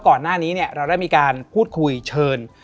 ก่อนหน้านี้เราได้มีการพูดคุยเชิญ